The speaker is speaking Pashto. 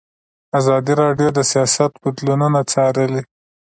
ازادي راډیو د سیاست بدلونونه څارلي.